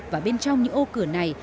và bên trong những ô cửa này